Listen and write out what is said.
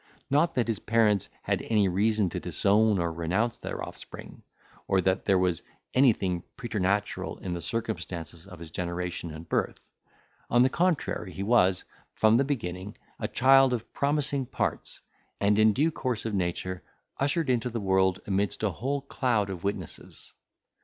Not that his parents had any reason to disown or renounce their offspring, or that there was anything preternatural in the circumstances of his generation and birth; on the contrary, he was, from the beginning, a child of promising parts, and in due course of nature ushered into the world amidst a whole cloud of witnesses.